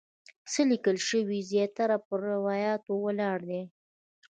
څه چې لیکل شوي زیاتره پر روایاتو ولاړ دي.